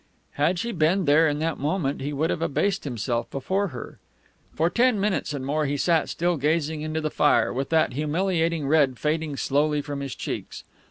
Had she been there in that moment he would have abased himself before her. For ten minutes and more he sat, still gazing into the fire, with that humiliating red fading slowly from his cheeks.